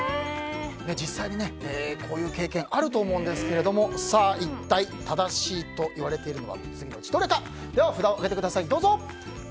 実際に、こういう経験あると思うんですけどさあ、一体正しいといわれているのは次のうちどれか札を上げてください。